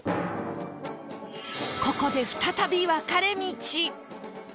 ここで再び分かれ道